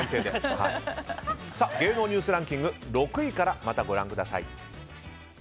芸能ニュースランキング６位からまたご覧ください。